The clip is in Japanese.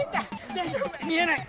見えない。